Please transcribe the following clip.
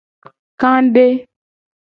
Kade.